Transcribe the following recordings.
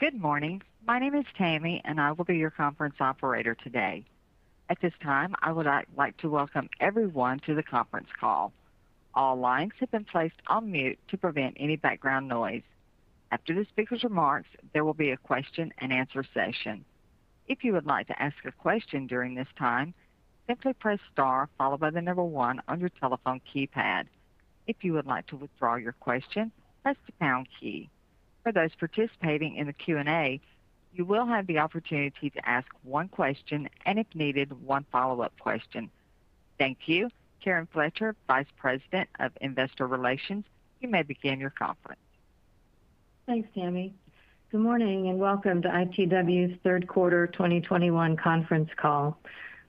Good morning. My name is Tammy, and I will be your conference operator today. At this time, I would like to welcome everyone to the conference call. All lines have been placed on mute to prevent any background noise. After the speaker's remarks, there will be a question-and-answer session. If you would like to ask a question during this time, simply press Star followed by the number one on your telephone keypad. If you would like to withdraw your question, press the Pound key. For those participating in the Q&A, you will have the opportunity to ask one question and, if needed, one follow-up question. Thank you. Karen Fletcher, Vice President of Investor Relations, you may begin your conference. Thanks, Tammy. Good morning, and welcome to ITW's third quarter 2021 conference call.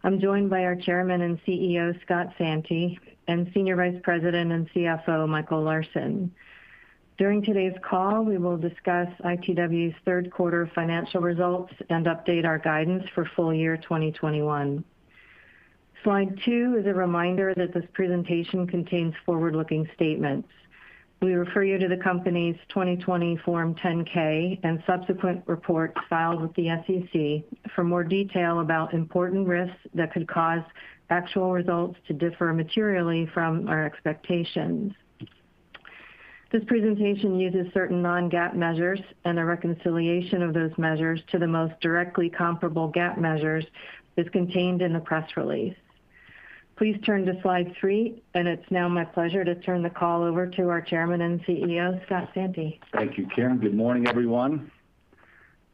I'm joined by our Chairman and CEO, Scott Santi, and Senior Vice President and CFO, Michael M. Larsen. During today's call, we will discuss ITW's third quarter financial results and update our guidance for full-year 2021. Slide 2 is a reminder that this presentation contains forward-looking statements. We refer you to the company's 2020 Form 10-K and subsequent reports filed with the SEC for more detail about important risks that could cause actual results to differ materially from our expectations. This presentation uses certain non-GAAP measures, and a reconciliation of those measures to the most directly comparable GAAP measures is contained in the press release. Please turn to Slide three, and it's now my pleasure to turn the call over to our Chairman and CEO, Scott Santi. Thank you, Karen. Good morning, everyone.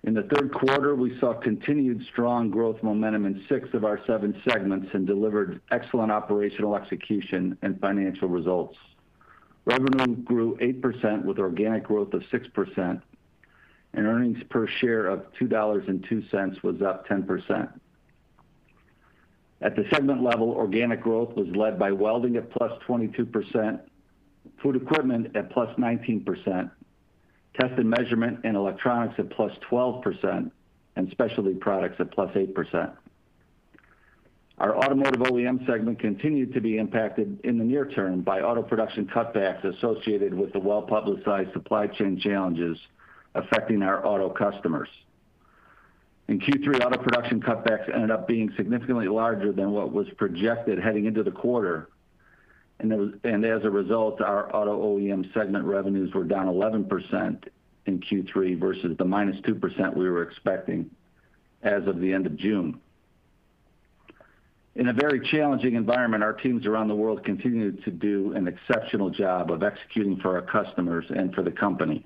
In the third quarter, we saw continued strong growth momentum in six of our seven segments and delivered excellent operational execution and financial results. Revenue grew 8% with organic growth of 6%, and earnings per share of $2.02 was up 10%. At the segment level, organic growth was led by Welding at +22%, Food Equipment at +19%, Test & Measurement and Electronics at +12%, and Specialty Products at +8%. Our Automotive OEM segment continued to be impacted in the near-term by auto production cutbacks associated with the well-publicized supply chain challenges affecting our Auto customers. In Q3, auto production cutbacks ended up being significantly larger than what was projected heading into the quarter. As a result, our Automotive OEM segment revenues were down 11% in Q3 versus the -2% we were expecting as of the end of June. In a very challenging environment, our teams around the world continued to do an exceptional job of executing for our customers and for the company.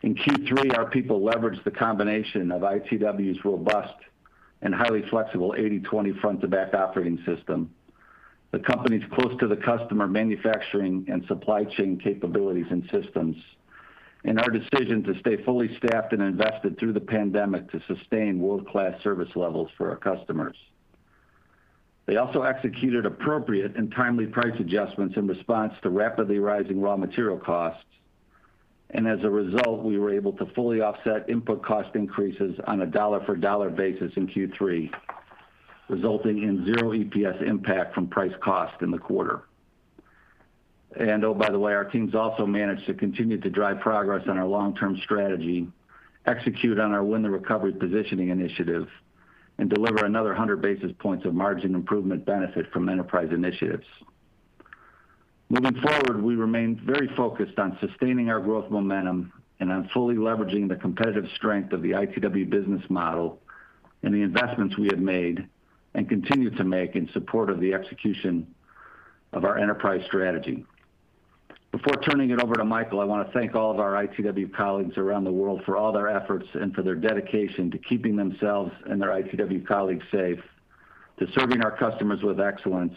In Q3, our people leveraged the combination of ITW's robust and highly flexible 80/20 Front-to-Back operating system. The company's close to the customer manufacturing and supply chain capabilities and systems, and our decision to stay fully staffed and invested through the pandemic to sustain world-class service levels for our customers. They also executed appropriate and timely price adjustments in response to rapidly rising raw material costs. As a result, we were able to fully offset input cost increases on a dollar-for-dollar basis in Q3, resulting in $0 EPS impact from price cost in the quarter. Oh, by the way, our teams also managed to continue to drive progress on our long-term strategy, execute on our Win the Recovery positioning initiative, and deliver another 100 basis points of margin improvement benefit from enterprise initiatives. Moving forward, we remain very focused on sustaining our growth momentum and on fully leveraging the competitive strength of the ITW business model and the investments we have made and continue to make in support of the execution of our enterprise strategy. Before turning it over to Michael, I want to thank all of our ITW colleagues around the world for all their efforts and for their dedication to keeping themselves and their ITW colleagues safe, to serving our customers with excellence,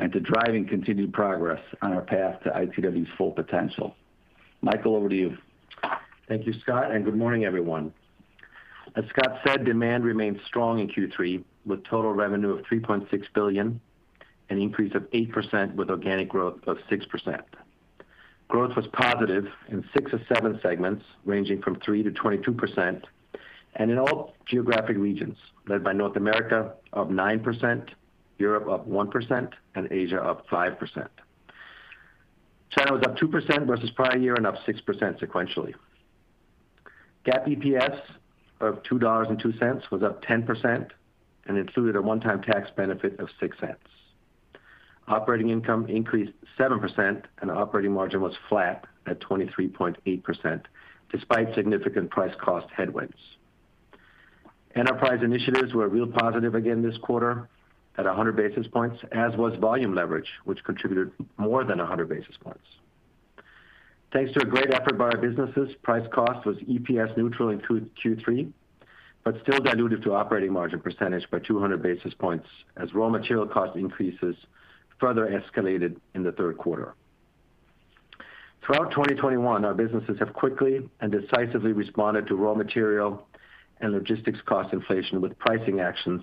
and to driving continued progress on our path to ITW's full potential. Michael, over to you. Thank you, Scott, and good morning, everyone. As Scott said, demand remained strong in Q3, with total revenue of $3.6 billion, an increase of 8% with organic growth of 6%. Growth was positive in six of seven segments, ranging from 3%-22%, and in all geographic regions, led by North America up 9%, Europe up 1%, and Asia up 5%. China was up 2% versus prior year and up 6% sequentially. GAAP EPS of $2.02 was up 10% and included a one-time tax benefit of $0.06. Operating income increased 7% and operating margin was flat at 23.8% despite significant price cost headwinds. Enterprise initiatives were a real positive again this quarter at 100 basis points, as was volume leverage, which contributed more than 100 basis points. Thanks to a great effort by our businesses, price cost was EPS neutral in Q3, but still diluted to operating margin percentage by 200 basis points as raw material cost increases further escalated in the third quarter. Throughout 2021, our businesses have quickly and decisively responded to raw material and logistics cost inflation with pricing actions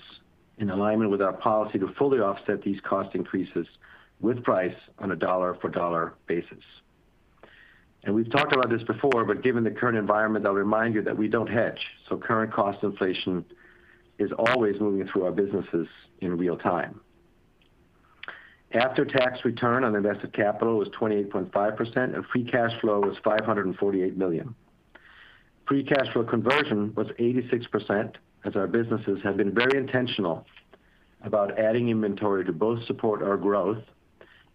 in alignment with our policy to fully offset these cost increases with price on a dollar-for-dollar basis. We've talked about this before, but given the current environment, I'll remind you that we don't hedge, so current cost inflation is always moving through our businesses in real time. After tax return on invested capital was 28.5% and free cash flow was $548 million. Free cash flow conversion was 86%, as our businesses have been very intentional about adding inventory to both support our growth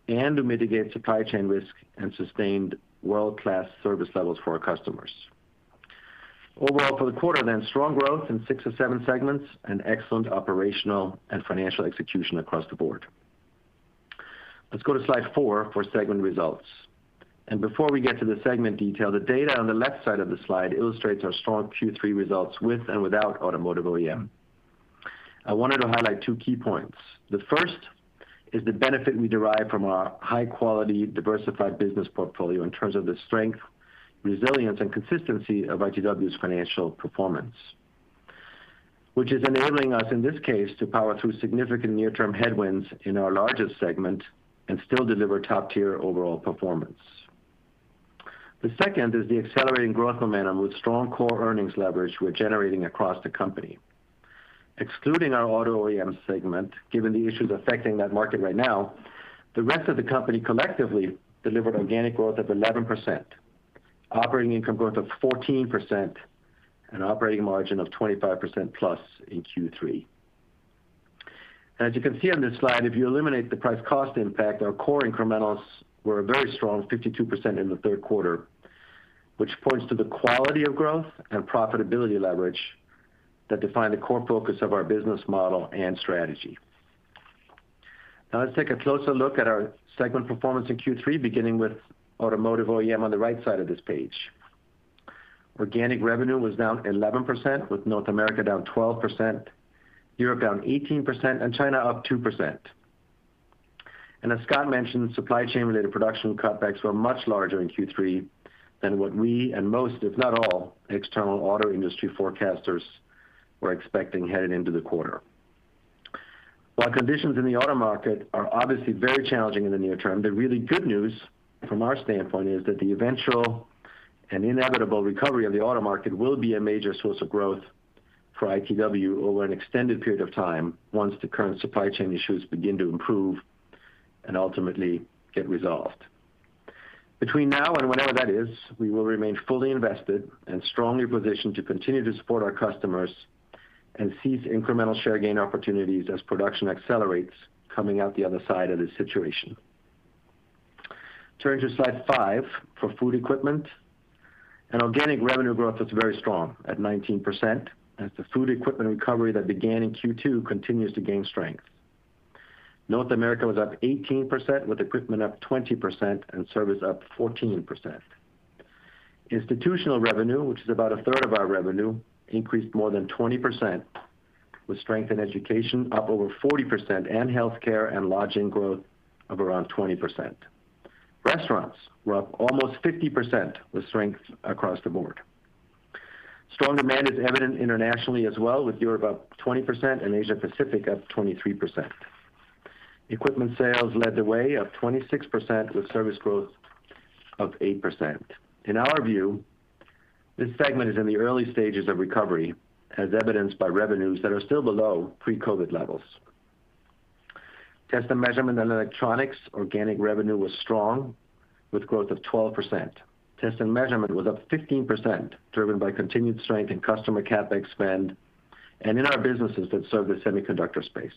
and to mitigate supply chain risk and sustained world-class service levels for our customers. Overall, for the quarter then, strong growth in six of seven segments and excellent operational and financial execution across the board. Let's go to Slide four for segment results. Before we get to the segment detail, the data on the left side of this slide illustrates our strong Q3 results with and without Automotive OEM. I wanted to highlight two key points. The first is the benefit we derive from our high quality, diversified business portfolio in terms of the strength, resilience, and consistency of ITW's financial performance, which is enabling us, in this case, to power through significant near-term headwinds in our largest segment and still deliver top-tier overall performance. The second is the accelerating growth momentum with strong core earnings leverage we're generating across the company. Excluding our Automotive OEM segment, given the issues affecting that market right now, the rest of the company collectively delivered organic growth of 11%, operating income growth of 14%, and operating margin of 25%+ in Q3. As you can see on this slide, if you eliminate the price cost impact, our core incrementals were a very strong 52% in the third quarter, which points to the quality of growth and profitability leverage that define the core focus of our business model and strategy. Now let's take a closer look at our segment performance in Q3, beginning with Automotive OEM on the right side of this page. Organic revenue was down 11%, with North America down 12%, Europe down 18%, and China up 2%. As Scott mentioned, supply chain related production cutbacks were much larger in Q3 than what we and most, if not all, external auto industry forecasters were expecting headed into the quarter. While conditions in the Auto market are obviously very challenging in the near-term, the really good news from our standpoint is that the eventual and inevitable recovery of the Auto market will be a major source of growth for ITW over an extended period of time once the current supply chain issues begin to improve and ultimately get resolved. Between now and whenever that is, we will remain fully invested and strongly positioned to continue to support our customers and seize incremental share gain opportunities as production accelerates coming out the other side of this situation. Turning to Slide five for Food Equipment and organic revenue growth that's very strong at 19% as the Food Equipment recovery that began in Q2 continues to gain strength. North America was up 18%, with Equipment up 20% and service up 14%. Institutional revenue, which is about a third of our revenue, increased more than 20% with strength in education up over 40% and healthcare and lodging growth of around 20%. Restaurants were up almost 50% with strength across the board. Strong demand is evident internationally as well, with Europe up 20% and Asia Pacific up 23%. Equipment sales led the way, up 26% with service growth of 8%. In our view, this segment is in the early stages of recovery, as evidenced by revenues that are still below pre-COVID levels. Test & Measurement and Electronics organic revenue was strong with growth of 12%. Test & Measurement was up 15%, driven by continued strength in customer CapEx spend and in our businesses that serve the semiconductor space.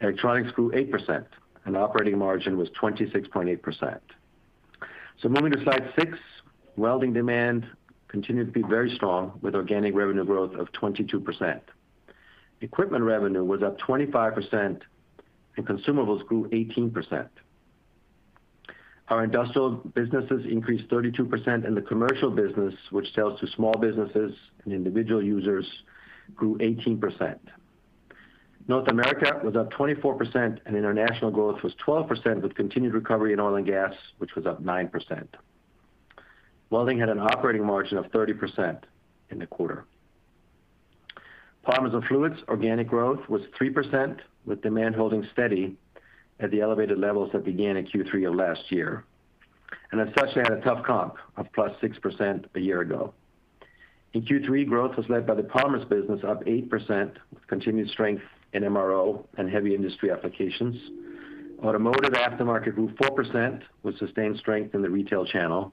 Electronics grew 8% and operating margin was 26.8%. Moving to Slide six, Welding demand continued to be very strong with organic revenue growth of 22%. Equipment revenue was up 25% and consumables grew 18%. Our Industrial businesses increased 32% and the Commercial business, which sells to small businesses and individual users, grew 18%. North America was up 24% and International growth was 12% with continued recovery in oil and gas, which was up 9%. Welding had an operating margin of 30% in the quarter. Polymers and fluids organic growth was 3%, with demand holding steady at the elevated levels that began in Q3 of last year, and especially had a tough comp of +6% a year ago. In Q3, growth was led by the polymers business, up 8%, with continued strength in MRO and heavy industry applications. Automotive aftermarket grew 4% with sustained strength in the retail channel.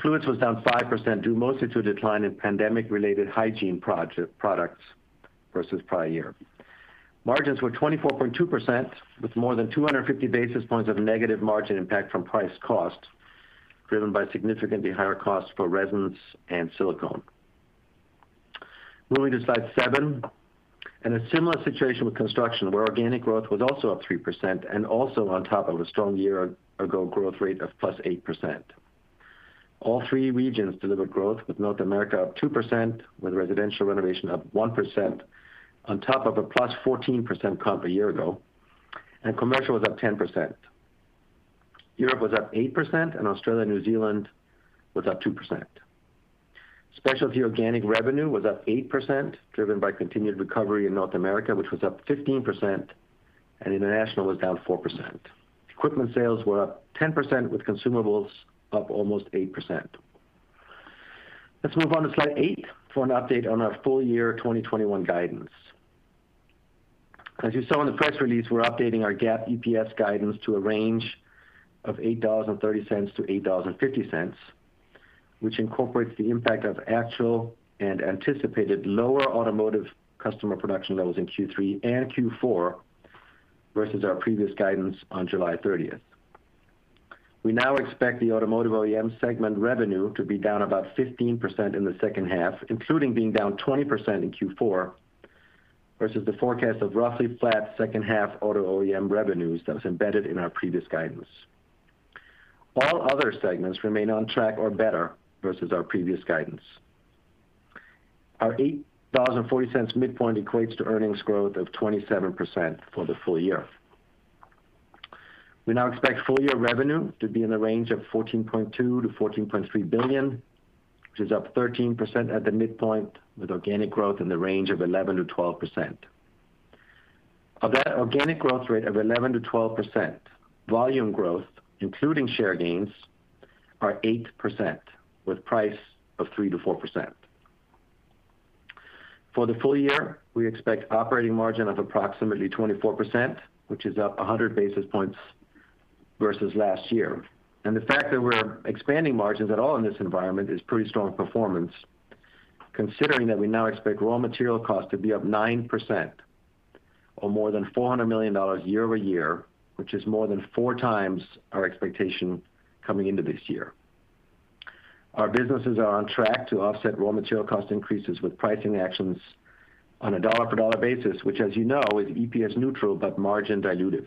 Fluids was down 5%, due mostly to a decline in pandemic related hygiene products versus prior year. Margins were 24.2% with more than 250 basis points of negative margin impact from price cost, driven by significantly higher costs for resins and silicone. Moving to Slide 7. In a similar situation with construction, where organic growth was also up 3% and also on top of a strong year ago growth rate of +8%. All three regions delivered growth with North America up 2%, with Residential renovation up 1% on top of a +14% comp a year ago, and Commercial was up 10%. Europe was up 8% and Australia and New Zealand was up 2%. Specialty organic revenue was up 8%, driven by continued recovery in North America, which was up 15%, and International was down 4%. Equipment sales were up 10% with consumables up almost 8%. Let's move on to Slide eight for an update on our full-year 2021 guidance. As you saw in the press release, we're updating our GAAP EPS guidance to a range of $8.30-$8.50, which incorporates the impact of actual and anticipated lower automotive customer production levels in Q3 and Q4 versus our previous guidance on July 30th. We now expect the Automotive OEM segment revenue to be down about 15% in the second half, including being down 20% in Q4 versus the forecast of roughly flat second half Auto OEM revenues that was embedded in our previous guidance. All other segments remain on track or better versus our previous guidance. Our $8.40 midpoint equates to earnings growth of 27% for the full-year. We now expect full-year revenue to be in the range of $14.2 billion-$14.3 billion, which is up 13% at the midpoint, with organic growth in the range of 11%-12%. Of that organic growth rate of 11%-12%, volume growth, including share gains, are 8%, with price of 3%-4%. For the full-year, we expect operating margin of approximately 24%, which is up 100 basis points versus last year. The fact that we're expanding margins at all in this environment is pretty strong performance, considering that we now expect raw material cost to be up 9% or more than $400 million year-over-year, which is more than 4x our expectation coming into this year. Our businesses are on track to offset raw material cost increases with pricing actions on a dollar-for-dollar basis, which as you know, is EPS neutral, but margin dilutive.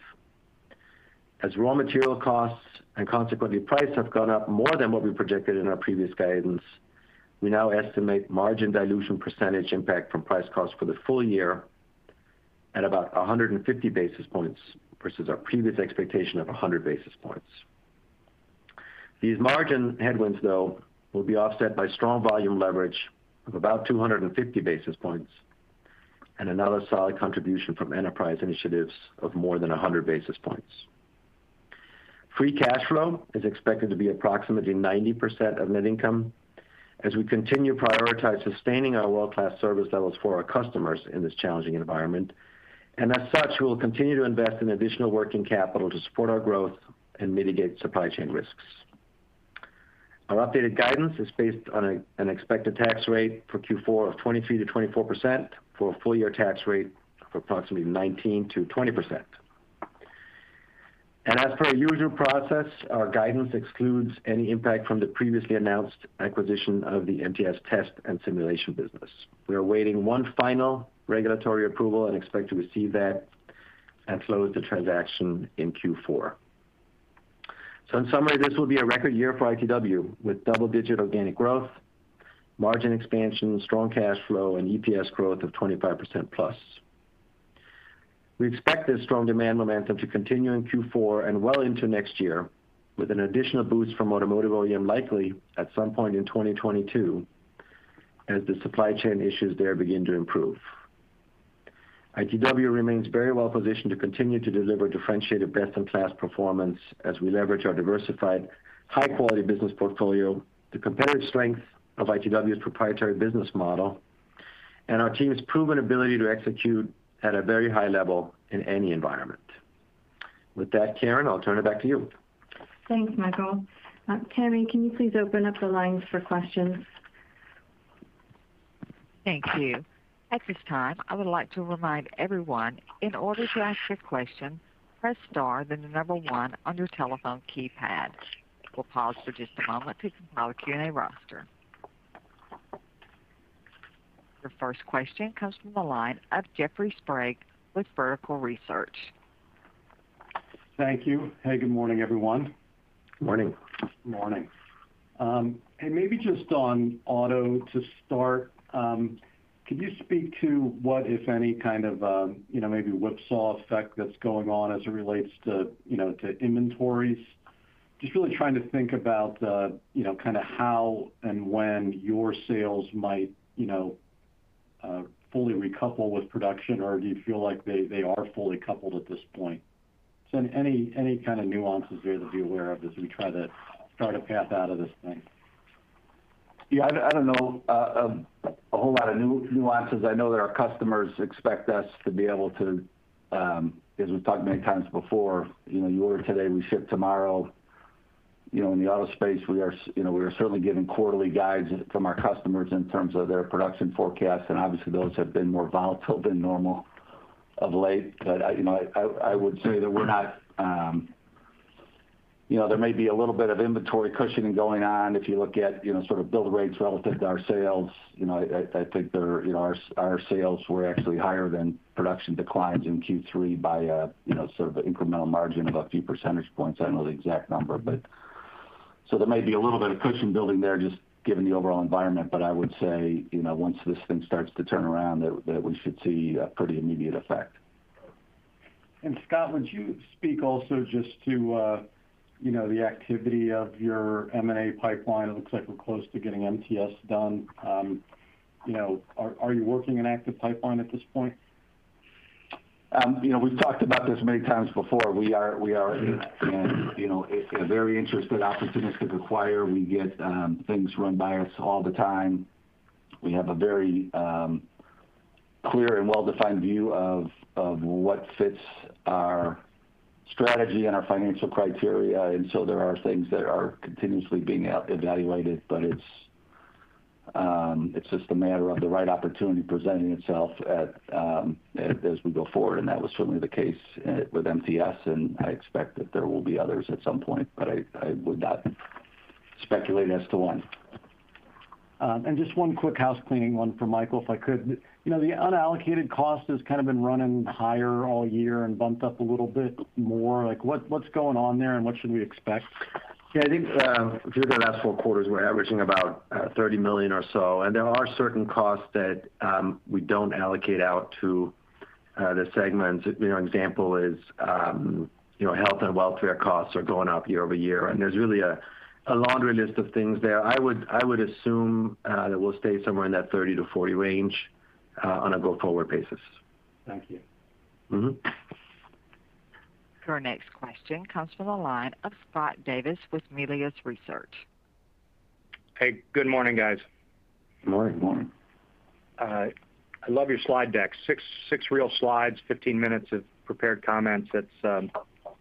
As raw material costs and consequently price have gone up more than what we projected in our previous guidance, we now estimate margin dilution percentage impact from price cost for the full-year at about 150 basis points versus our previous expectation of 100 basis points. These margin headwinds, though, will be offset by strong volume leverage of about 250 basis points and another solid contribution from enterprise initiatives of more than 100 basis points. Free cash flow is expected to be approximately 90% of net income as we continue to prioritize sustaining our world-class service levels for our customers in this challenging environment. As such, we will continue to invest in additional working capital to support our growth and mitigate supply chain risks. Our updated guidance is based on an expected tax rate for Q4 of 23%-24% for a full -ear tax rate of approximately 19%-20%. As per our usual process, our guidance excludes any impact from the previously announced acquisition of the MTS Test & Simulation business. We are awaiting one final regulatory approval and expect to receive that and close the transaction in Q4. In summary, this will be a record year for ITW with double-digit organic growth, margin expansion, strong cash flow, and EPS growth of 25%+. We expect this strong demand momentum to continue in Q4 and well into next year, with an additional boost from Automotive OEM likely at some point in 2022 as the supply chain issues there begin to improve. ITW remains very well positioned to continue to deliver differentiated best-in-class performance as we leverage our diversified high-quality business portfolio, the competitive strength of ITW's proprietary business model, and our team's proven ability to execute at a very high level in any environment. With that, Karen, I'll turn it back to you. Thanks, Michael. Karen, can you please open up the lines for questions? Thank you. At this time, I would like to remind everyone in order to ask your question, press Star, then the number one on your telephone keypad. We'll pause for just a moment to compile a Q&A roster. Your first question comes from the line of Jeffrey Sprague with Vertical Research. Thank you. Hey, good morning, everyone. Morning. Morning. Hey, maybe just on Auto to start. Can you speak to what, if any, kind of, you know, maybe whipsaw effect that's going on as it relates to, you know, to inventories? Just really trying to think about the, you know, kind of how and when your sales might, you know, fully recouple with production, or do you feel like they are fully coupled at this point? Any kind of nuances there to be aware of as we try to chart a path out of this thing? Yeah, I don't know a whole lot of new nuances. I know that our customers expect us to be able to, as we've talked many times before, you know, you order today, we ship tomorrow. You know, in the auto space, we are certainly giving quarterly guides from our customers in terms of their production forecasts, and obviously those have been more volatile than normal of late. You know, I would say that we're not. You know, there may be a little bit of inventory cushioning going on if you look at, you know, sort of build rates relative to our sales. You know, I think they're, you know, our sales were actually higher than production declines in Q3 by, you know, sort of an incremental margin of a few percentage points. I don't know the exact number, but there may be a little bit of cushion building there just given the overall environment. I would say, you know, once this thing starts to turn around that we should see a pretty immediate effect. Scott, would you speak also just to the activity of your M&A pipeline? It looks like we're close to getting MTS done. Are you working an active pipeline at this point? You know, we've talked about this many times before. We are, you know, a very interested opportunistic acquirer. We get things run by us all the time. We have a very clear and well-defined view of what fits our strategy and our financial criteria, and so there are things that are continuously being evaluated. But it's just a matter of the right opportunity presenting itself as we go forward, and that was certainly the case with MTS, and I expect that there will be others at some point. But I would not speculate as to when. Just one quick housekeeping one for Michael, if I could. You know, the unallocated cost has kind of been running higher all year and bumped up a little bit more. Like, what's going on there, and what should we expect? Yeah, I think if you look at our last four quarters, we're averaging about $30 million or so. There are certain costs that we don't allocate out to the segments. You know, an example is, you know, health and welfare costs are going up year-over-year. There's really a laundry list of things there. I would assume that we'll stay somewhere in that $30 million-$40 million range on a go-forward basis. Thank you. Your next question comes from the line of Scott Davis with Melius Research. Hey, good morning, guys. Good morning. Morning. I love your slide deck. six real slides, 15 minutes of prepared comments. That's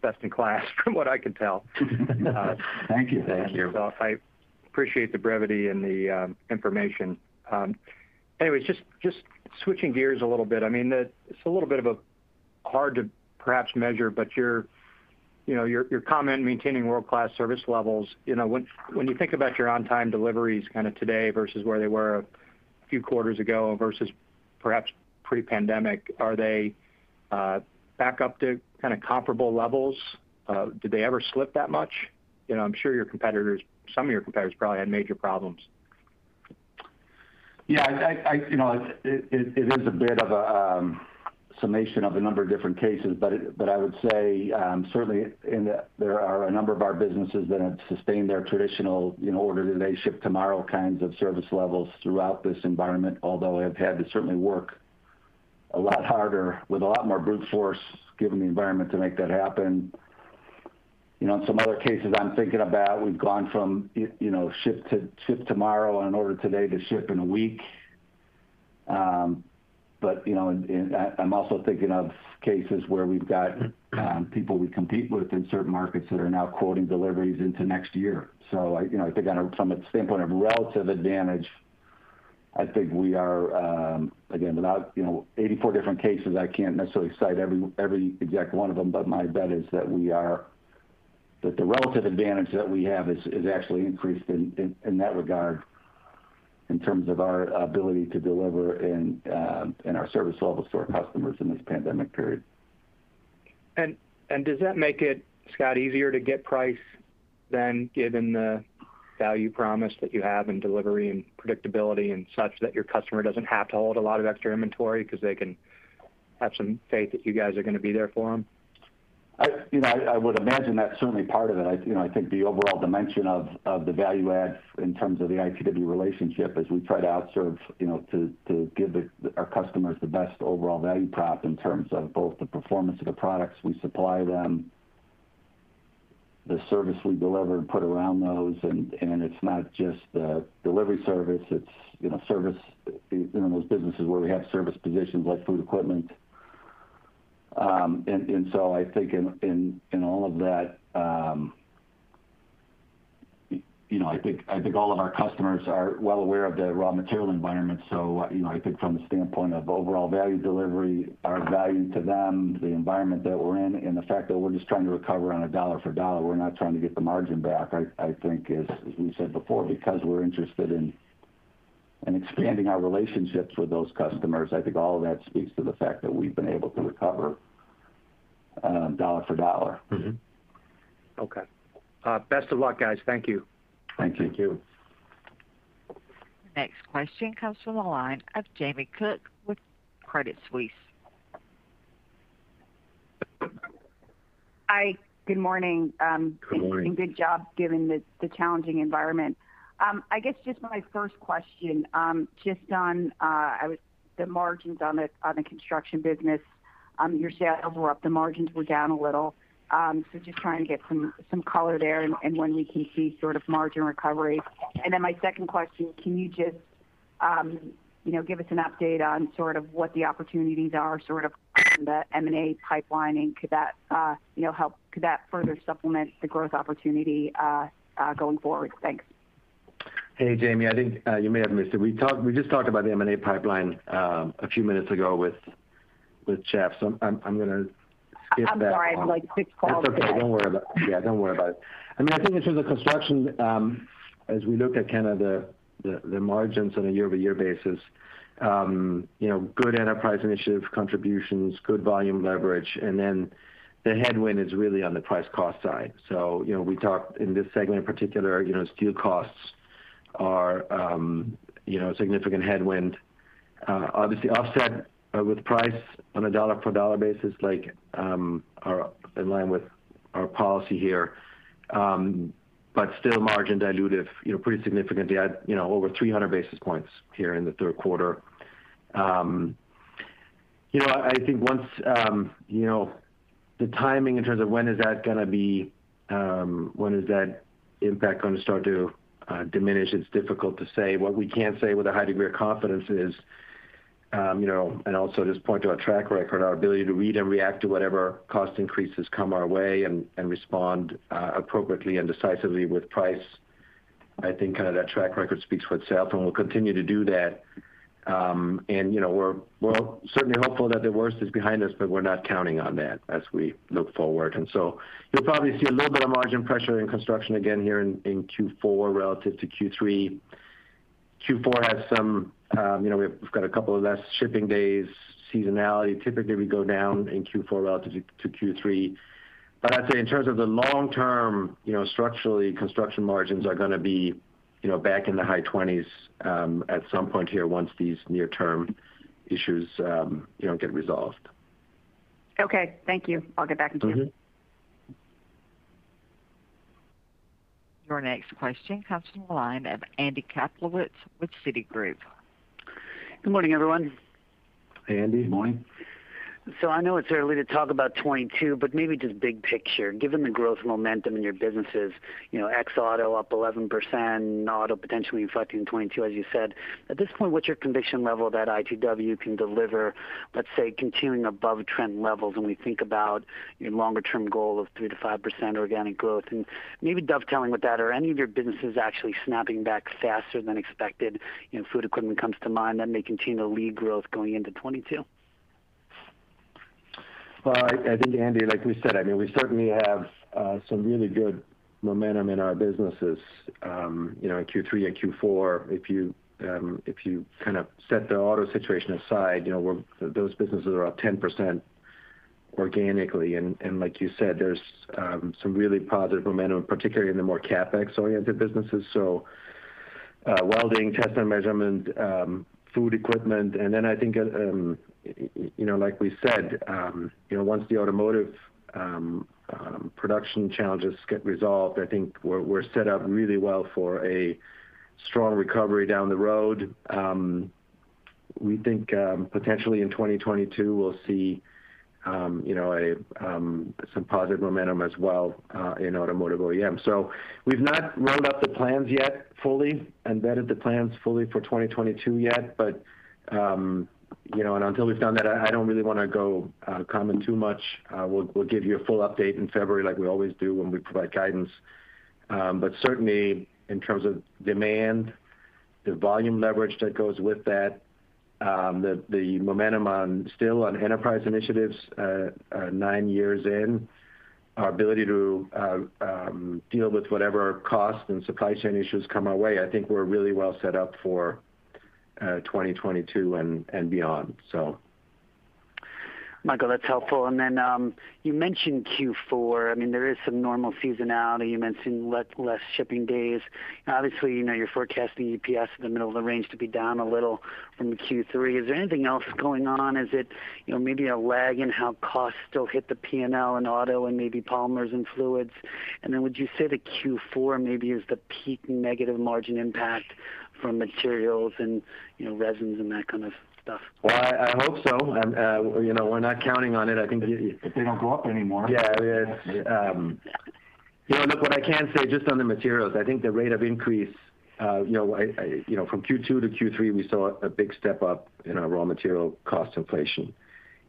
best in class from what I can tell. Thank you. Thank you. I appreciate the brevity and the information. Anyway, just switching gears a little bit. I mean, it's a little bit hard to perhaps measure, but you know, your comment maintaining world-class service levels. You know, when you think about your on-time deliveries kind of today versus where they were a few quarters ago versus perhaps pre-pandemic, are they back up to kind of comparable levels? Did they ever slip that much? You know, I'm sure your competitors, some of your competitors probably had major problems. Yeah. I you know, it is a bit of a summation of a number of different cases. I would say certainly there are a number of our businesses that have sustained their traditional, you know, order today, ship tomorrow kinds of service levels throughout this environment, although have had to certainly work a lot harder with a lot more brute force, given the environment, to make that happen. You know, in some other cases I'm thinking about, we've gone from you know, ship to ship tomorrow on an order today to ship in a week. You know, I'm also thinking of cases where we've got people we compete with in certain markets that are now quoting deliveries into next year. I, you know, I think from a standpoint of relative advantage, I think we are, again, without, you know, 84 different cases, I can't necessarily cite every exact one of them. But my bet is that the relative advantage that we have is actually increased in that regard in terms of our ability to deliver and our service levels to our customers in this pandemic period. Does that make it, Scott, easier to get price then, given the value promise that you have in delivery and predictability and such, that your customer doesn't have to hold a lot of extra inventory because they can have some faith that you guys are gonna be there for them? I would imagine that's certainly part of it. You know, I think the overall dimension of the value add in terms of the ITW relationship is we try to outserve, you know, to give our customers the best overall value prop in terms of both the performance of the products we supply them, the service we deliver and put around those, and it's not just the delivery service. It's, you know, service in those businesses where we have service positions like Food Equipment. I think in all of that, you know, I think all of our customers are well aware of the raw material environment. You know, I think from the standpoint of overall value delivery, our value to them, the environment that we're in, and the fact that we're just trying to recover on a dollar-for-dollar, we're not trying to get the margin back. I think as we said before, because we're interested in expanding our relationships with those customers, I think all of that speaks to the fact that we've been able to recover dollar-for-dollar. Okay. Best of luck, guys. Thank you. Thank you. Thank you. Next question comes from the line of Jamie Cook with Credit Suisse. Hi, good morning. Good morning. Good job given the challenging environment. I guess just my first question, just on the margins on the Construction business. Your sales were up, the margins were down a little. So just trying to get some color there and when we can see sort of margin recovery. Then my second question, can you just, you know, give us an update on sort of what the opportunities are sort of from the M&A pipeline? Could that, you know, further supplement the growth opportunity going forward? Thanks. Hey, Jamie. I think you may have missed it. We just talked about the M&A pipeline a few minutes ago with Jeff, so I'm gonna skip that one. I'm sorry. I was like six calls back. That's okay. Don't worry about it. I mean, I think just the construction as we look at kind of the margins on a year-over-year basis, you know, good enterprise initiative contributions, good volume leverage, and then the headwind is really on the price cost side. You know, we talked in this segment in particular, you know, steel costs are a significant headwind, obviously offset with price on a dollar-for-dollar basis like are in line with Our policy here, but still margin dilutive, you know, pretty significantly at, you know, over 300 basis points here in the third quarter. I think once, the timing in terms of when is that gonna be, when is that impact gonna start to diminish, it's difficult to say. What we can say with a high degree of confidence is, and also just point to our track record, our ability to read and react to whatever cost increases come our way and respond, appropriately and decisively with price. I think kind of that track record speaks for itself, and we'll continue to do that. You know, we're certainly hopeful that the worst is behind us, but we're not counting on that as we look forward. You'll probably see a little bit of margin pressure in construction again here in Q4 relative to Q3. Q4 has some, you know, we've got a couple of less shipping days, seasonality. Typically, we go down in Q4 relative to Q3. I'd say in terms of the long-term, you know, structurally, Construction margins are gonna be, you know, back in the high twenties, at some point here once these near-term issues, you know, get resolved. Okay, thank you. I'll get back in queue. Your next question comes from the line of Andy Kaplowitz with Citigroup. Good morning, everyone. Hey, Andy. Good morning. I know it's early to talk about 2022, but maybe just big picture, given the growth momentum in your businesses, you know, ex auto up 11%, auto potentially affecting 2022, as you said. At this point, what's your conviction level that ITW can deliver, let's say, continuing above trend levels when we think about your longer-term goal of 3%-5% organic growth? Maybe dovetailing with that. Are any of your businesses actually snapping back faster than expected? You know, food equipment comes to mind. That may continue to lead growth going into 2022. Well, I think, Andy, like we said, I mean, we certainly have some really good momentum in our businesses, you know, in Q3 and Q4. If you kind of set the auto situation aside, you know, those businesses are up 10% organically. Like you said, there's some really positive momentum, particularly in the more CapEx-oriented businesses. Welding, Test & Measurement, Food Equipment. I think, you know, like we said, you know, once the Automotive production challenges get resolved, I think we're set up really well for a strong recovery down the road. We think, potentially in 2022, we'll see, you know, some positive momentum as well, in automotive OEM. We've not rolled out the plans yet fully, embedded the plans fully for 2022 yet, but, you know, and until we've done that, I don't really wanna go comment too much. We'll give you a full update in February like we always do when we provide guidance. But certainly in terms of demand, the volume leverage that goes with that, the momentum still on enterprise initiatives, nine years in, our ability to deal with whatever costs and supply chain issues come our way, I think we're really well set up for 2022 and beyond, so. Michael, that's helpful. Then, you mentioned Q4. I mean, there is some normal seasonality. You mentioned less shipping days. Obviously, you know, you're forecasting EPS in the middle of the range to be down a little from Q3. Is there anything else going on? Is it, you know, maybe a lag in how costs still hit the P&L in auto and maybe polymers and fluids? Then would you say that Q4 maybe is the peak negative margin impact from materials and, you know, resins and that kind of stuff? Well, I hope so. You know, we're not counting on it. I think. If they don't go up anymore. Yeah. Yeah. You know, look, what I can say just on the materials, I think the rate of increase, you know, from Q2 to Q3, we saw a big step up in our raw material cost inflation.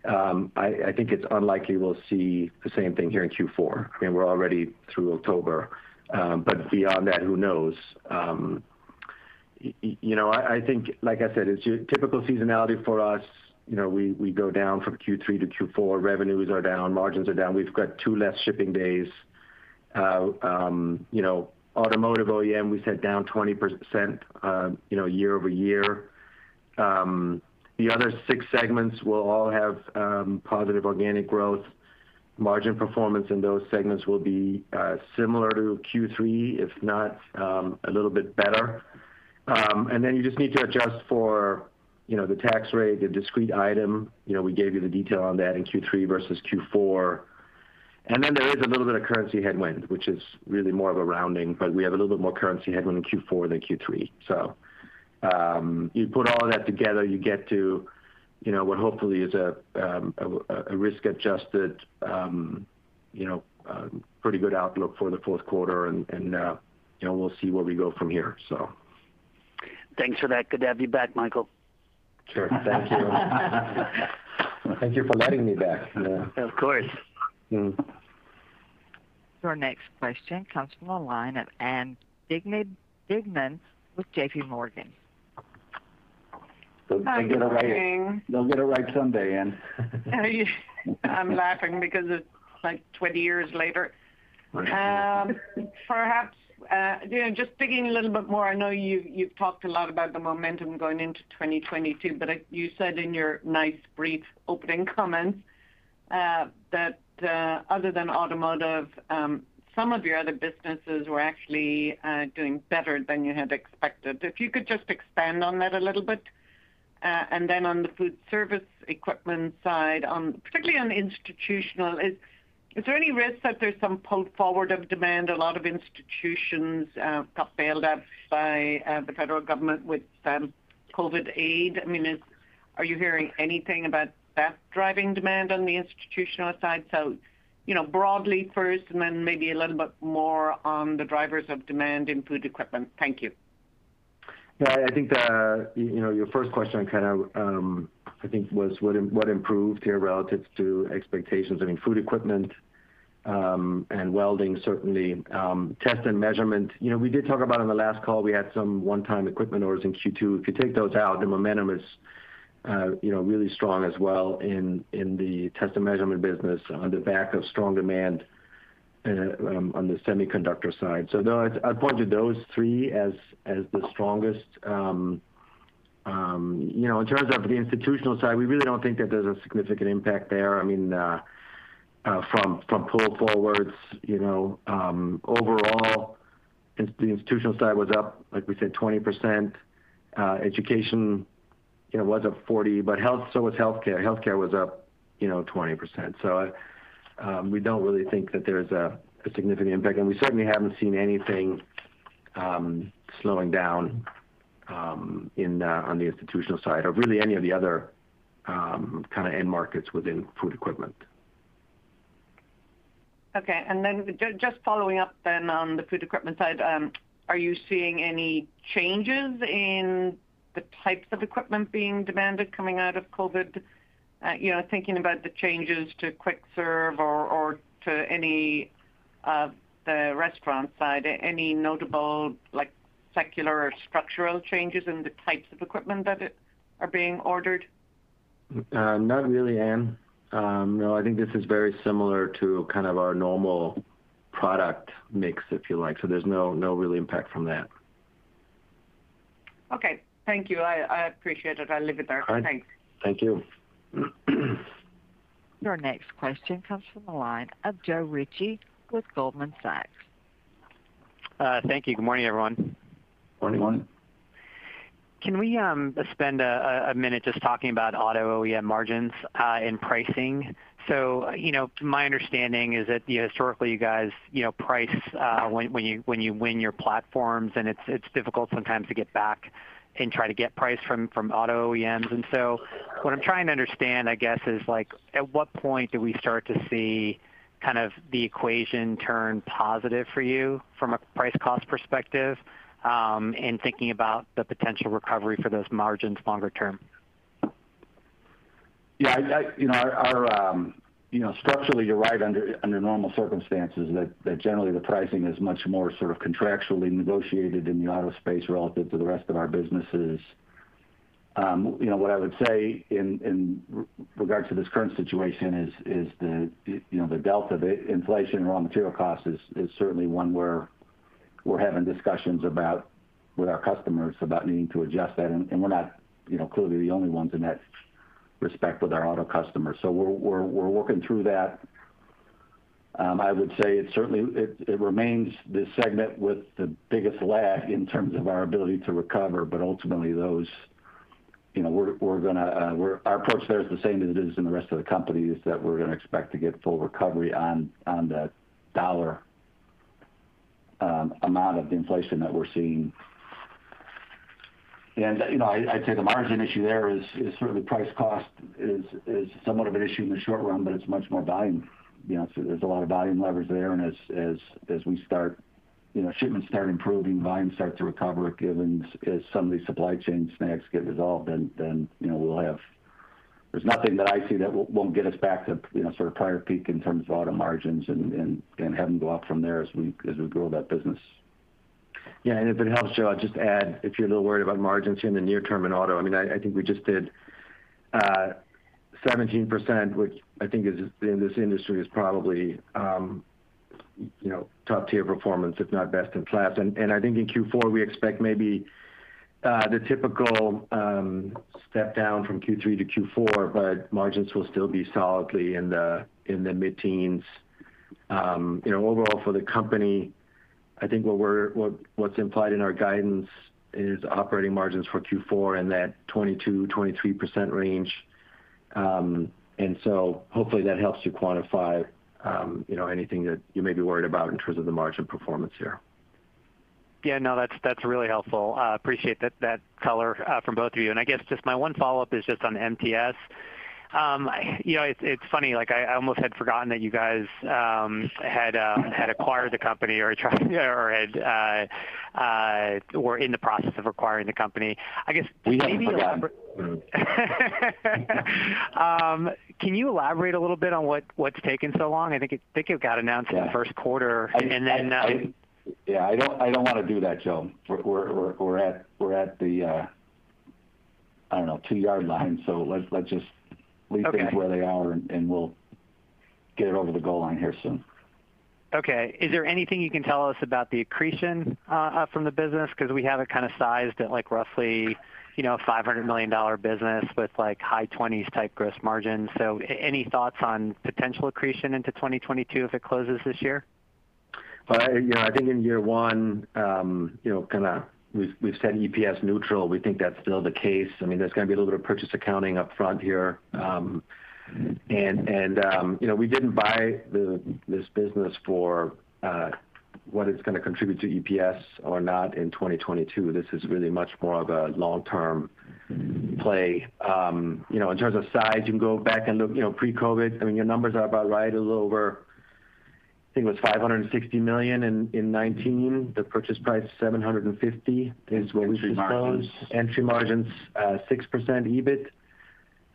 I think it's unlikely we'll see the same thing here in Q4. I mean, we're already through October. Beyond that, who knows? You know, I think, like I said, it's typical seasonality for us. You know, we go down from Q3-Q4. Revenues are down. Margins are down. We've got two less shipping days. You know, Automotive OEM, we said down 20%, you know, year-over-year. The other six segments will all have positive organic growth. Margin performance in those segments will be similar to Q3, if not a little bit better. You just need to adjust for, you know, the tax rate, the discrete item. You know, we gave you the detail on that in Q3 versus Q4. There is a little bit of currency headwind, which is really more of a rounding, but we have a little bit more currency headwind in Q4 than Q3. You put all that together, you get to, you know, what hopefully is a risk-adjusted, you know, pretty good outlook for the fourth quarter, and you know, we'll see where we go from here. Thanks for that. Good to have you back, Michael. Sure. Thank you. Thank you for letting me back. Of course. Your next question comes from the line of Ann Duignan with JPMorgan. They'll get it right. Good morning. They'll get it right someday, Ann. I'm laughing because it's, like, 20 years later. Right. Perhaps, you know, just digging a little bit more, I know you've talked a lot about the momentum going into 2022, but you said in your nice brief opening comments, that other than automotive, some of your other businesses were actually doing better than you had expected. If you could just expand on that a little bit. Then on the Food Service Equipment side, particularly on institutional, is there any risk that there's some pull forward of demand? A lot of institutions got bailed out by the federal government with COVID aid. I mean, are you hearing anything about that driving demand on the institutional side? You know, broadly first and then maybe a little bit more on the drivers of demand in Food Equipment. Thank you. Yeah, I think the, you know, your first question kind of, I think was what improved here relative to expectations. I mean, Food Equipment, and Welding certainly, Test & Measurement. You know, we did talk about on the last call, we had some one-time equipment orders in Q2. If you take those out, the momentum is, you know, really strong as well in the Test & Measurement business on the back of strong demand, on the semiconductor side. No, I'd point to those three as the strongest. You know, in terms of the institutional side, we really don't think that there's a significant impact there. I mean, from pull forwards, you know, overall the institutional side was up, like we said, 20%. Education, you know, was up 40%, but so was healthcare. Healthcare was up, you know, 20%. We don't really think that there's a significant impact. We certainly haven't seen anything slowing down on the institutional side or really any of the other kind of end markets within Food Equipment. Okay. Just following up then on the Food Equipment side, are you seeing any changes in the types of equipment being demanded coming out of COVID? You know, thinking about the changes to quick serve or to any of the restaurant side. Any notable like secular or structural changes in the types of equipment that are being ordered? Not really, Ann. No, I think this is very similar to kind of our normal product mix, if you like. There's no really impact from that. Okay. Thank you. I appreciate it. I'll leave it there. All right. Thanks. Thank you. Your next question comes from the line of Joe Ritchie with Goldman Sachs. Thank you. Good morning, everyone. Morning. Morning. Can we spend a minute just talking about auto OEM margins and pricing? You know, my understanding is that you know, historically you guys price when you win your platforms, and it's difficult sometimes to get back and try to get price from auto OEMs. What I'm trying to understand, I guess, is like, at what point do we start to see kind of the equation turn positive for you from a price cost perspective in thinking about the potential recovery for those margins longer-term? Yeah. I you know, our you know, structurally you're right under normal circumstances that generally the pricing is much more sort of contractually negotiated in the auto space relative to the rest of our businesses. You know, what I would say in regards to this current situation is the you know, the delta, the inflation, raw material cost is certainly one where we're having discussions about with our customers about needing to adjust that. We're not you know, clearly the only ones in that respect with our auto customers. So we're working through that. I would say it certainly remains the segment with the biggest lag in terms of our ability to recover, but ultimately, those, you know, our approach there is the same as it is in the rest of the company, is that we're gonna expect to get full recovery on the dollar amount of the inflation that we're seeing. You know, I'd say the margin issue there is certainly price-cost is somewhat of an issue in the short run, but it's much more volume. You know, so there's a lot of volume leverage there, and as we start, you know, shipments start improving, volumes start to recover given that some of these supply chain snags get resolved, then, you know, we'll have. There's nothing that I see that won't get us back to, you know, sort of prior peak in terms of auto margins and have them go up from there as we grow that business. Yeah, if it helps, Joe, I'll just add, if you're a little worried about margins in the near-term in auto, I mean, I think we just did 17%, which I think is in this industry is probably, you know, top tier performance, if not best in class. I think in Q4 we expect maybe the typical step down from Q3-Q4, but margins will still be solidly in the mid-teens. You know, overall for the company, I think what's implied in our guidance is operating margins for Q4 in that 22%-23% range. Hopefully that helps you quantify, you know, anything that you may be worried about in terms of the margin performance here. Yeah, no, that's really helpful. I appreciate that color from both of you. I guess just my one follow-up is just on MTS. You know, it's funny, like I almost had forgotten that you guys had acquired the company or were in the process of acquiring the company. I guess maybe- We haven't forgotten. Can you elaborate a little bit on what's taking so long? I think it got announced in the first quarter. Yeah. And then, uh- Yeah, I don't want to do that, Joe. We're at the I don't know, two-yard line, so let's just leave things where they are. Okay We'll get it over the goal line here soon. Okay. Is there anything you can tell us about the accretion from the business? 'Cause we have it kind of sized at like roughly, you know, $500 million business with like high 20s% gross margin. Any thoughts on potential accretion into 2022 if it closes this year? Well, you know, I think in year one, kind of we've said EPS neutral. We think that's still the case. I mean, there's gonna be a little bit of purchase accounting up front here. You know, we didn't buy this business for what it's gonna contribute to EPS or not in 2022. This is really much more of a long-term play. You know, in terms of size, you can go back and look, you know, pre-COVID. I mean, your numbers are about right, a little over, I think it was $560 million in 2019. The purchase price, $750 million is what we disclosed. Entry margins. Entry margins, 6%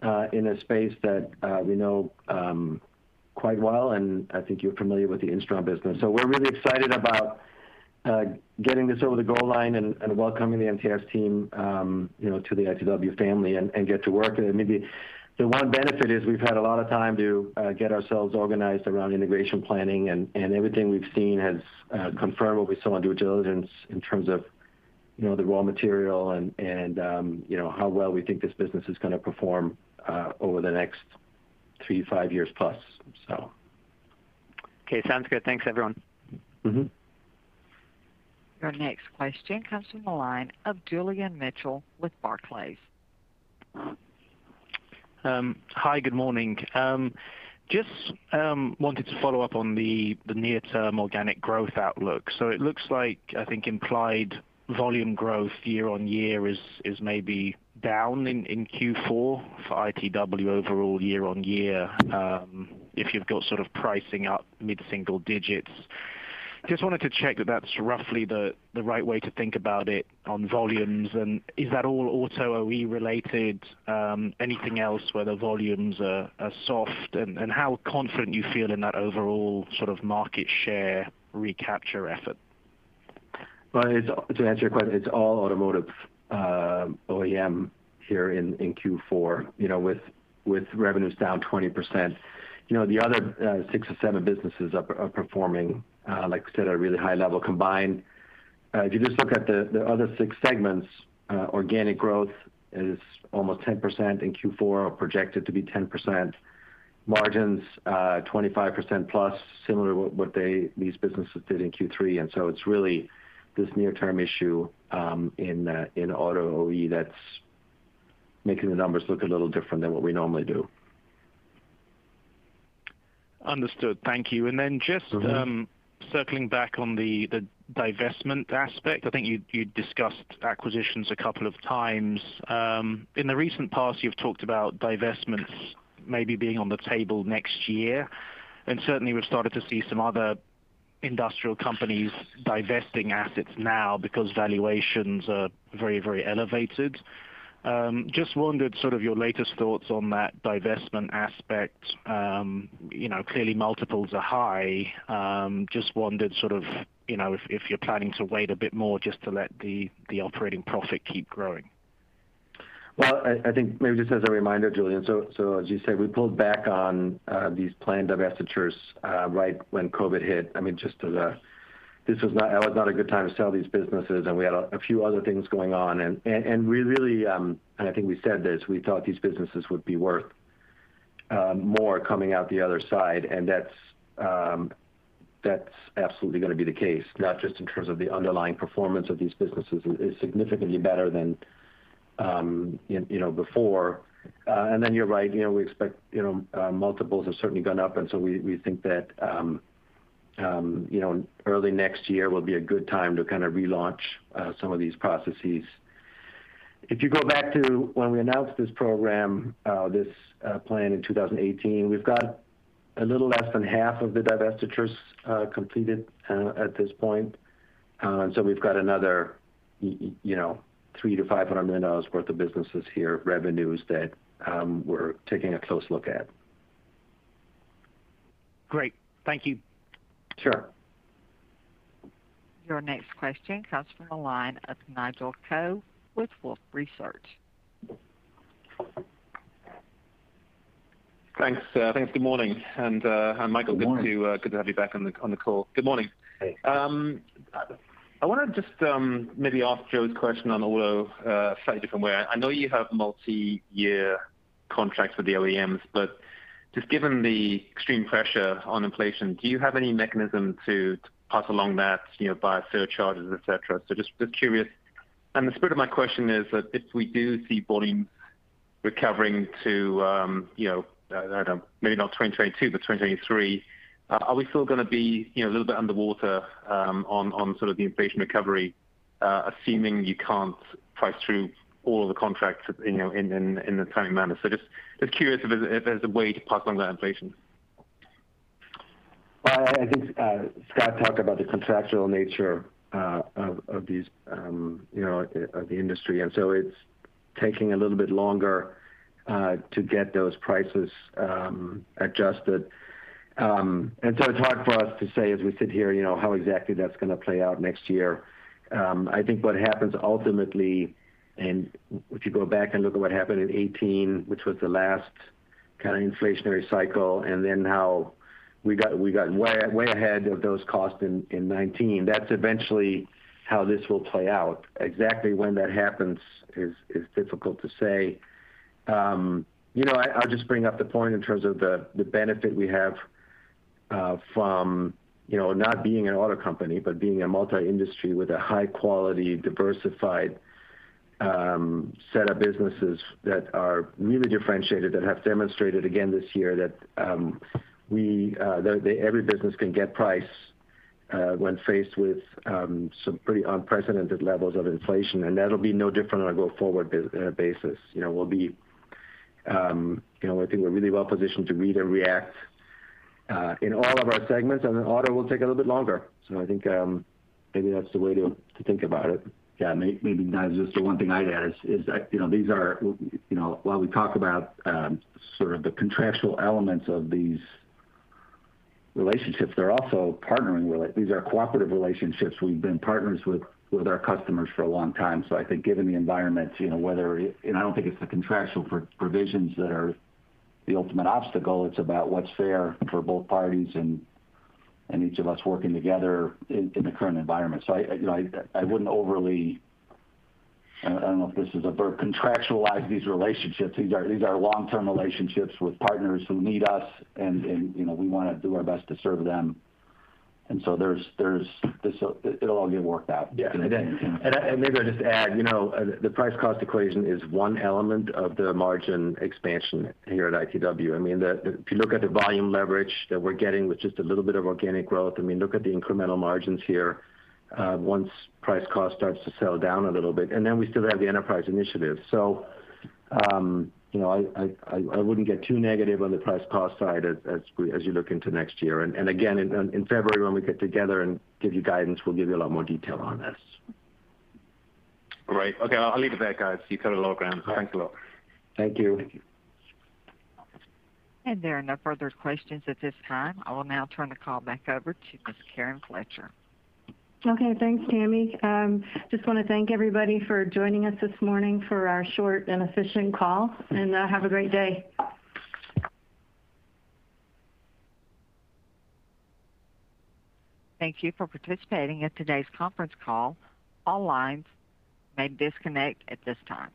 EBIT, in a space that we know quite well, and I think you're familiar with the Instron business. We're really excited about getting this over the goal line and welcoming the MTS team, you know, to the ITW family and get to work. Maybe the one benefit is we've had a lot of time to get ourselves organized around integration planning, and everything we've seen has confirmed what we saw on due diligence in terms of, you know, the raw material and you know, how well we think this business is gonna perform over the next 3-5+ years. Okay. Sounds good. Thanks, everyone. Your next question comes from the line of Julian Mitchell with Barclays. Hi, good morning. Just wanted to follow up on the near-term organic growth outlook. It looks like, I think, implied volume growth year-over-year is maybe down in Q4 for ITW overall year-over-year, if you've got sort of pricing up mid-single-digits. Just wanted to check that that's roughly the right way to think about it on volumes. Is that all auto OEM related? Anything else where the volumes are soft? How confident you feel in that overall sort of market share recapture effort? Well, to answer your question, it's all automotive OEM here in Q4, you know, with revenues down 20%. You know, the other six or seven businesses are performing, like I said, at a really high level combined. If you just look at the other six segments, organic growth is almost 10% in Q4, or projected to be 10%. Margins, 25%+, similar to what these businesses did in Q3. It's really this near-term issue in auto OEM that's making the numbers look a little different than what we normally do. Understood. Thank you. Circling back on the divestment aspect. I think you discussed acquisitions a couple of times. In the recent past, you've talked about divestments maybe being on the table next year. Certainly we've started to see some other industrial companies divesting assets now because valuations are very, very elevated. I just wondered sort of your latest thoughts on that divestment aspect. You know, clearly multiples are high. I just wondered sort of, you know, if you're planning to wait a bit more just to let the operating profit keep growing. Well, I think maybe just as a reminder, Julian, so as you say, we pulled back on these planned divestitures right when COVID hit. I mean, this was not a good time to sell these businesses, and we had a few other things going on. We really, I think we said this, we thought these businesses would be worth more coming out the other side. That's absolutely gonna be the case, not just in terms of the underlying performance of these businesses is significantly better than you know, before. Then you're right. You know, we expect, you know, multiples have certainly gone up, and so we think that, you know, early next year will be a good time to kind of relaunch some of these processes. If you go back to when we announced this program, this plan in 2018, we've got a little less than half of the divestitures completed at this point. We've got another you know, $300 million-$500 million worth of businesses here, revenues that we're taking a close look at. Great. Thank you. Sure. Your next question comes from the line of Nigel Coe with Wolfe Research. Thanks. Good morning. Hi Michael. Good morning. Good to have you back on the call. Good morning. Hey. I wanna just maybe ask Joe's question on auto a slightly different way. I know you have multiyear contracts with the OEMs, but just given the extreme pressure on inflation, do you have any mechanism to pass along that, you know, via surcharges, et cetera? So just curious. The spirit of my question is that if we do see volume recovering to, you know, I don't know, maybe not 2022, but 2023, are we still gonna be, you know, a little bit underwater, on sort of the inflation recovery, assuming you can't price through all the contracts, you know, in a timely manner? So just curious if there's a way to pass along that inflation. Well, I think Scott talked about the contractual nature of these, you know, of the industry, and so it's taking a little bit longer to get those prices adjusted. It's hard for us to say as we sit here, you know, how exactly that's gonna play out next year. I think what happens ultimately, and if you go back and look at what happened in 2018, which was the last kind of inflationary cycle, and then how we got way ahead of those costs in 2019, that's eventually how this will play out. Exactly when that happens is difficult to say. You know, I'll just bring up the point in terms of the benefit we have from, you know, not being an auto company, but being a multi-industry with a high quality, diversified set of businesses that are really differentiated, that have demonstrated again this year that every business can get price when faced with some pretty unprecedented levels of inflation. That'll be no different on a go forward basis. You know, we'll be, you know, I think we're really well positioned to read and react in all of our segments, and then auto will take a little bit longer. I think maybe that's the way to think about it. Yeah, maybe, Nigel, just the one thing I'd add is that, you know, these are, you know, while we talk about sort of the contractual elements of these relationships, they're also cooperative relationships. We've been partners with our customers for a long time. I think given the environment, you know, I don't think it's the contractual provisions that are the ultimate obstacle. It's about what's fair for both parties and each of us working together in the current environment. You know, I wouldn't overly, I don't know if this is a verb, contractualize these relationships. These are long-term relationships with partners who need us and, you know, we wanna do our best to serve them. There's this. It'll all get worked out. Yeah. I and maybe I'll just add, you know, the price cost equation is one element of the margin expansion here at ITW. I mean, if you look at the volume leverage that we're getting with just a little bit of organic growth, I mean, look at the incremental margins here, once price cost starts to settle down a little bit, and then we still have the enterprise initiative. You know, I wouldn't get too negative on the price cost side as you look into next year. Again, in February, when we get together and give you guidance, we'll give you a lot more detail on this. Great. Okay, I'll leave it there, guys. You've covered a lot of ground. Thanks a lot. Thank you. Thank you. There are no further questions at this time. I will now turn the call back over to Ms. Karen Fletcher. Okay, thanks, Tammy. Just wanna thank everybody for joining us this morning for our short and efficient call, and have a great day. Thank you for participating in today's conference call. All lines may disconnect at this time.